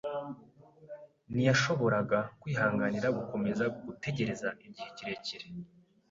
Ntiyashoboraga kwihanganira gukomeza gutegereza igihe kirekire.